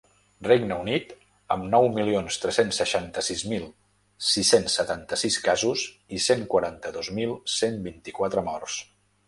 Regne Unit, amb nou milions tres-cents seixanta-sis mil sis-cents setanta-sis casos i cent quaranta-dos mil cent vint-i-quatre morts.